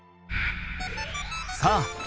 さあ